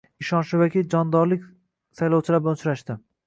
Ishonchli vakil jondorlik saylovchilar bilan uchrashdi